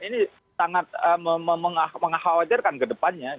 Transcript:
ini sangat mengkhawatirkan kedepannya